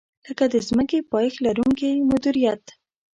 لکه د ځمکې پایښت لرونکې مدیریت.